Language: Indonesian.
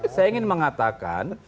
saya ingin mengatakan